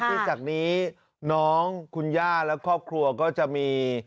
ตอนนี้น้องคุณย่าแล้วครอบครัวก็จะมี